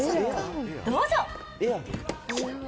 どうぞ。